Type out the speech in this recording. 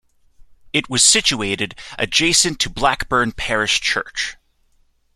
It was situated adjacent to Blackburn Parish Church.